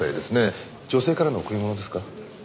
女性からの贈り物ですか？